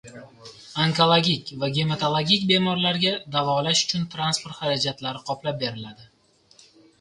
Onkologik va gematologik bemorlarga davolanish uchun transport xarajatlari qoplab beriladi